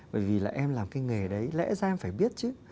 bởi vì là em làm cái nghề đấy lẽ ra em phải biết chứ